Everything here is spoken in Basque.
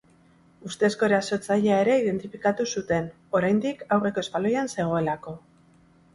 Ustezko erasotzailea ere identifikatu zuten, oraindik aurreko espaloian zegoelako.